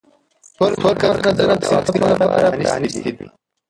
ټول مرکزونه د واکسین لپاره پرانیستي دي.